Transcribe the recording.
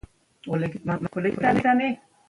د تدارکاتو له قانون، اړوند کړنلاري او د شرطپاڼي